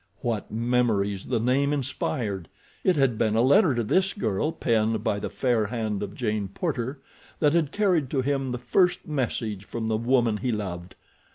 What memories the name inspired. It had been a letter to this girl, penned by the fair hand of Jane Porter, that had carried to him the first message from the woman he loved.